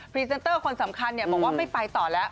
ปังเหมือนกันปังปีนาศนะคะ